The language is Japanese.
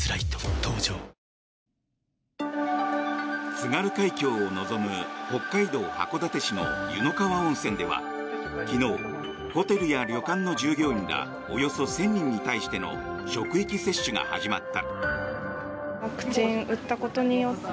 津軽海峡を望む北海道函館市の湯の川温泉では昨日、ホテルや旅館の従業員らおよそ１０００人に対しての職域接種が始まった。